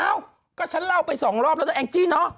อ้าวก็ฉันเล่าไป๒รอบแล้วแอ้งจี้เนอะ